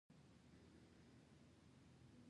ایا ستاسو لمر به ځلیږي؟